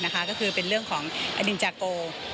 ก็คือเป็นเรื่องของอดินจาโก